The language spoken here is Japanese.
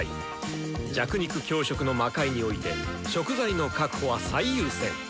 弱肉強食の魔界において食材の確保は最優先！